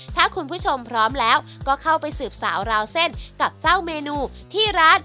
ถ้าคุณผู้ชมพร้อมแล้วก็เข้าไปสืบสาวราวเส้นกับเจ้าเมนูที่ร้าน